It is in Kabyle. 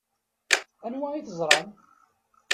Anwa i teẓṛam?